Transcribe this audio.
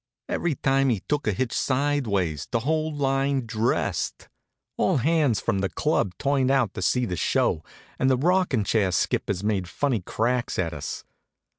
Every time he took a hitch sideways the whole line dressed. All hands from the club turned out to see the show, and the rockin' chair skippers made funny cracks at us.